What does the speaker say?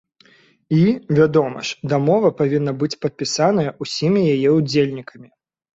І, вядома ж, дамова павінна быць падпісаная ўсімі яе ўдзельнікамі.